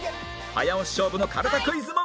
早押し勝負のかるたクイズも！